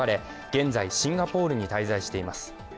現在、シンガポールに滞在しています。